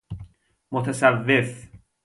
متصوف